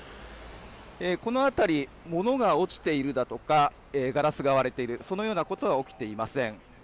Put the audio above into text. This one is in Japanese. この辺り、物が落ちているだとかガラスが割れているそのようなことは起きていません。